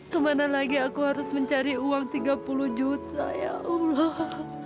kemana lagi aku harus mencari uang tiga puluh juta ya allah